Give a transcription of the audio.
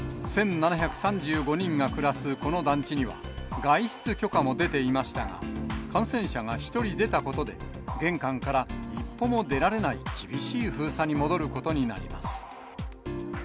１７３５人が暮らすこの団地には、外出許可も出ていましたが、感染者が１人出たことで、玄関から一歩も出られない厳しい封鎖に戻ることになります。